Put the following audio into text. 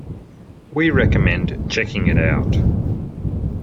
We recommend checking it out.